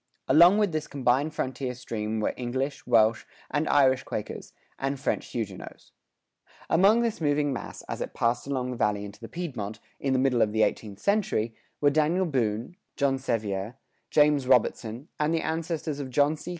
Along with this combined frontier stream were English, Welsh and Irish Quakers, and French Huguenots.[105:3] Among this moving mass, as it passed along the Valley into the Piedmont, in the middle of the eighteenth century, were Daniel Boone, John Sevier, James Robertson, and the ancestors of John C.